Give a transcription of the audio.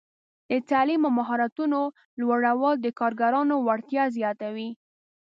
د تعلیم او مهارتونو لوړول د کارګرانو وړتیا زیاتوي.